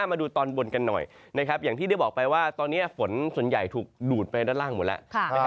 มาดูตอนบนกันหน่อยนะครับอย่างที่ได้บอกไปว่าตอนนี้ฝนส่วนใหญ่ถูกดูดไปด้านล่างหมดแล้ว